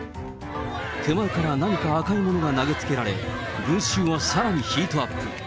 手前から何か赤いものが投げつけられ、群衆はさらにヒートアップ。